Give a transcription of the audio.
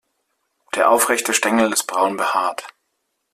Der aufrechte Stängel ist braun behaart.